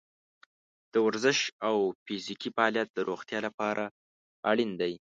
د ورزش او فزیکي فعالیت د روغتیا لپاره اړین دی.